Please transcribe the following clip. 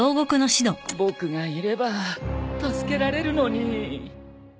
僕がいれば助けられるのに。